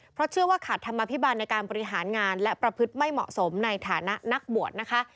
เพราะเชื่อว่าขาดธรรมภิบาลในการบริหารงานและประพฤติไม่เหมาะสมในฐานะนักบวชนะคะ